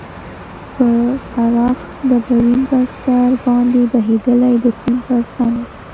پر پراخ ډبرین بستر باندې بهېدلې، د سیند پر څنډه.